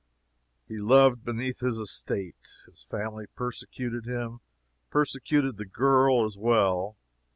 He loved beneath his estate. His family persecuted him; persecuted the girl, as well.